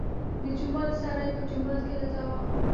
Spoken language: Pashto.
د جومات سړی په جومات کې لټوه.